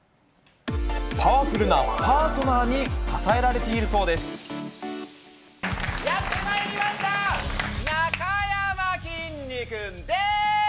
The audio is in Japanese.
パワフルなパートナーに支えやってまいりました、なかやまきんに君でーす。